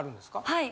はい。